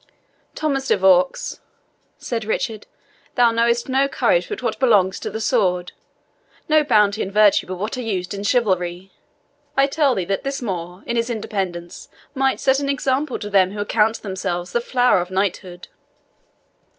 "Thomas de Vaux," said Richard, "thou knowest no courage but what belongs to the sword, no bounty and virtue but what are used in chivalry. I tell thee that this Moor, in his independence, might set an example to them who account themselves the flower of knighthood."